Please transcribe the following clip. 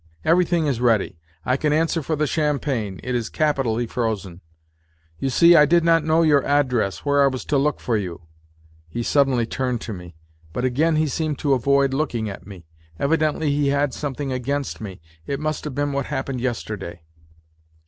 " Everything is ready ; I can answer for the champagne ; it is capitally frozen. ... You see, I did not know your address, where was I to look for you ?" he suddenly turned to me, but again he seemed to avoid looking at me Evidently he had something against me. It must have been what happened yesterday.